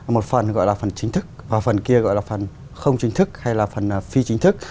một phần gọi là phần chính thức và phần kia gọi là phần không chính thức hay là phần phi chính thức